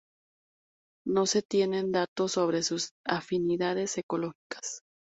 No se tienen datos sobre sus afinidades ecológicas.